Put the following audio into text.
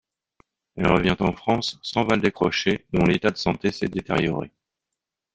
Elle revient en France sans Waldeck Rochet, dont l'état de santé s'est détérioré.